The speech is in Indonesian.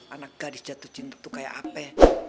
anak garis jatuh cinta itu kayak apa